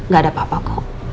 gak ada apa apa kok